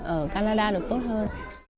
ở canada được tốt hơn